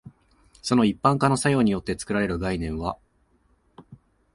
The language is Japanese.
その一般化の作用によって作られる概念は、